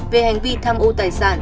về hành vi tham ô tài sản